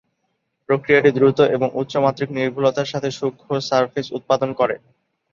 প্রক্রিয়াটি দ্রুত এবং উচ্চ মাত্রিক নির্ভুলতার সাথে সূক্ষ্ম সারফেস উৎপাদন করে।